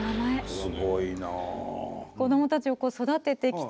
すごいな。